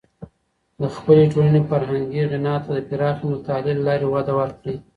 د خپلي ټولني فرهنګي غنا ته د پراخې مطالعې له لاري وده ورکړئ.